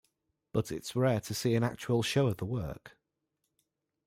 But it's rare to see an actual show of the work.